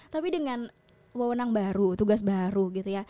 tapi dengan wewenang baru tugas baru gitu ya